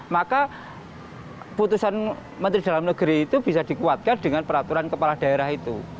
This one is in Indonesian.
maka putusan menteri dalam negeri itu bisa dikuatkan dengan peraturan kepala daerah itu